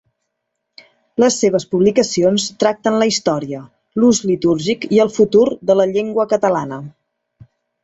Les seves publicacions tracten la història, l'ús litúrgic i el futur de la llengua catalana.